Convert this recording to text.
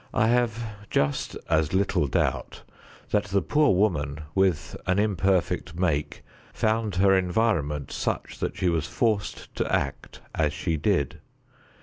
I have just as little doubt that the poor woman, with an imperfect make, found her environment such that she was forced to act as she did.